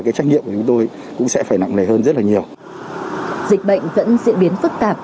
cái trách nhiệm của chúng tôi cũng sẽ phải nặng nề hơn rất là nhiều dịch bệnh vẫn diễn biến phức